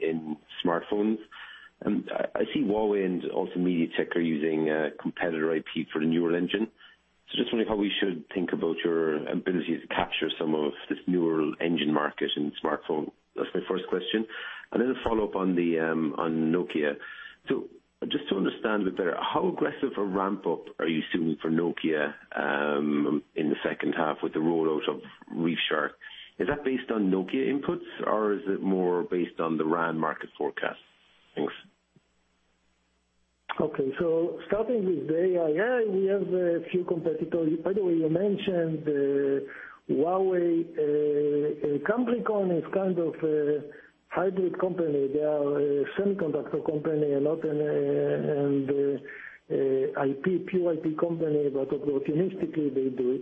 in smartphones? I see Huawei and also MediaTek are using competitor IP for the neural engine. Just wondering how we should think about your ability to capture some of this neural engine market in smartphone. That's my first question. Then a follow-up on Nokia. Just to understand a bit better, how aggressive a ramp-up are you assuming for Nokia, in the second half with the rollout of ReefShark? Is that based on Nokia inputs or is it more based on the RAN market forecast? Thanks. Okay. Starting with the AI, we have a few competitors. By the way, you mentioned Huawei. Cambricon is kind of a hybrid company. They are a semiconductor company a lot, and IP, pure IP company, but opportunistically they do it.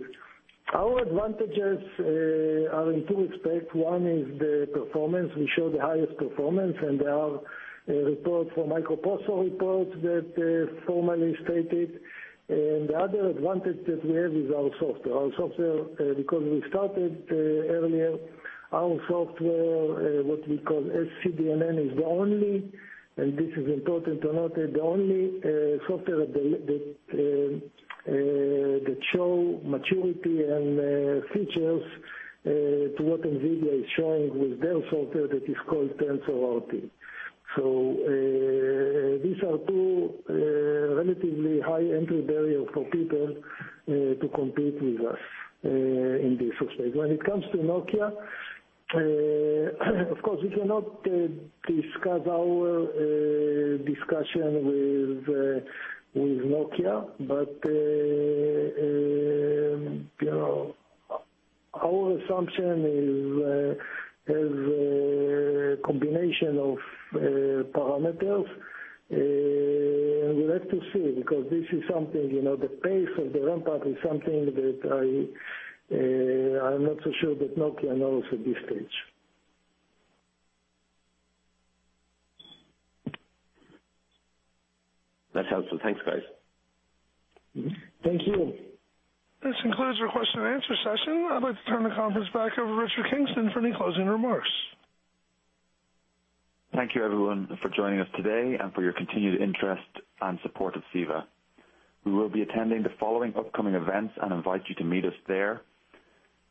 Our advantages are in two respects. One is the performance. We show the highest performance, and there are reports from Microprocessor Report that formally stated. The other advantage that we have is our software. Because we started earlier, our software, what we call CDNN, is the only, and this is important to note, the only software that show maturity and features, to what NVIDIA is showing with their software that is called TensorRT. These are two relatively high entry barrier for people to compete with us in this space. When it comes to Nokia, of course, we cannot discuss our discussion with Nokia, but our assumption is a combination of parameters. We'll have to see, because the pace of the ramp-up is something that I'm not so sure that Nokia knows at this stage. That's helpful. Thanks, guys. Thank you. This concludes our question and answer session. I'd like to turn the conference back over to Richard Kingston for any closing remarks. Thank you, everyone, for joining us today and for your continued interest and support of CEVA. We will be attending the following upcoming events and invite you to meet us there.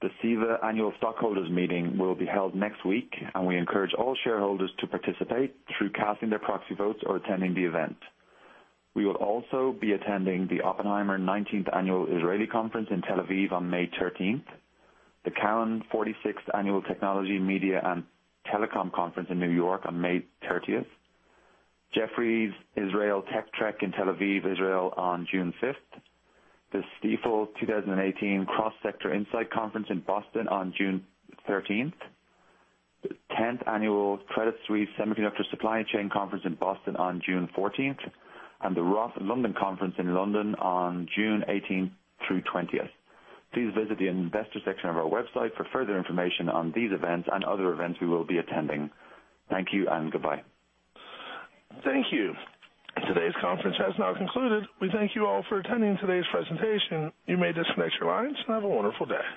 The CEVA Annual Stockholders Meeting will be held next week, and we encourage all shareholders to participate through casting their proxy votes or attending the event. We will also be attending the Oppenheimer 19th Annual Israeli Conference in Tel Aviv on May 13th, the Cowen 46th Annual Technology, Media & Telecom Conference in New York on May 30th, Jefferies Israel Tech Trek in Tel Aviv, Israel on June 5th, the Stifel 2018 Cross Sector Insight Conference in Boston on June 13th, the 10th Annual Credit Suisse Semiconductor Supply Chain Conference in Boston on June 14th, and the Roth London Conference in London on June 18th through 20th. Please visit the investor section of our website for further information on these events and other events we will be attending. Thank you and goodbye. Thank you. Today's conference has now concluded. We thank you all for attending today's presentation. You may disconnect your lines and have a wonderful day.